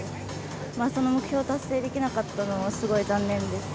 その目標を達成できなかったのはすごく残念ですね。